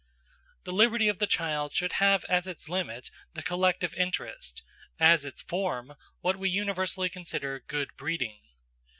The liberty of the child should have as its limit the collective interest; as its form, what we universally consider good breeding.